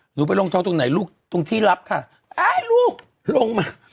หนูไปลงทอตรงไหนลูกตรงที่รับค่ะอ้ายลูกลงมา